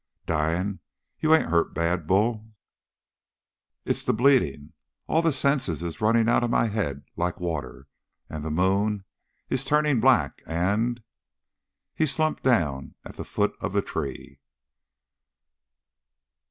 "Dyin'? You ain't hurt bad, Bull!" "It's the bleeding; all the senses is running out of my head like water and the moon is turning black and " He slumped down at the foot of the tree.